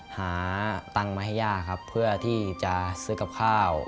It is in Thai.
หาตังค์มาให้ย่าครับเพื่อที่จะซื้อกับข้าว